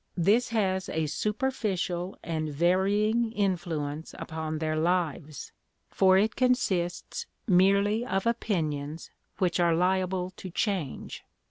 This has a superficial and varying influence upon their lives, for it consists merely of opinions which are liable to change.